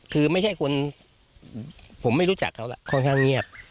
คือไม่ใช่คนผมไม่รู้จักเขาค่อนข้างเงียบ